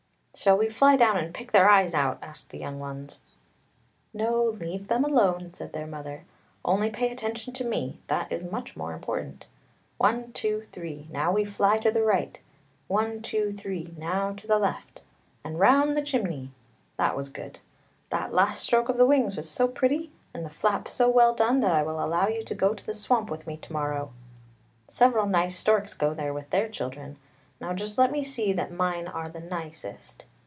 "Shall we fly down and pick their eyes out? " asked the young ones. " No, leave them alone," said their mother; " only pay attention to me, that is much more important. One, two, three, now we fly to the right; one, two, three, now to the left, and round the chimney! that was good. That last stroke of the wings was so pretty and the flap so well done that I will allow you to go to the swamp with me to morrow! Several nice storks go there with their children; now just let me see that mine are the nicest.